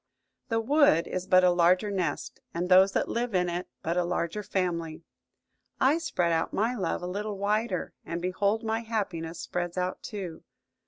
The wood is but a larger nest, and those that live in it but a larger family. I spread out my love a little wider, and behold my happiness spreads out too!